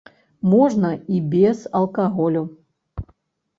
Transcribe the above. Можна і без алкаголю.